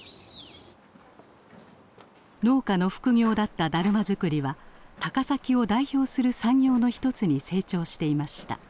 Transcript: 農家の副業だっただるま作りは高崎を代表する産業の一つに成長していました。